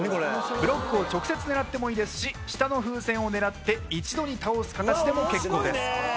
ブロックを直接狙ってもいいですし下の風船を狙って一度に倒す形でも結構です。